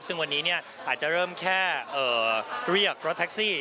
ซึ่งวันนี้อาจจะเริ่มแค่เรียกรถแท็กซี่